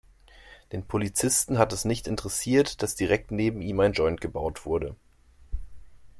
Den Polizisten hat es nicht interessiert, dass direkt neben ihm ein Joint gebaut wurde.